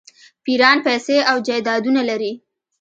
پیران پیسې او جایدادونه لري.